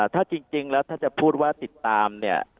ถ้าจริงแล้วถ้าจะพูดว่าติดตามเนี่ย